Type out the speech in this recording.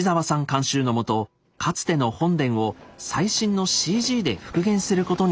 監修のもとかつての本殿を最新のＣＧで復元することに挑みました。